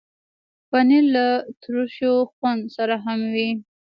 پنېر له ترشو خوند سره هم وي.